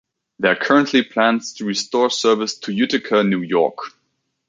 There are currently plans to restore service to Utica, New York.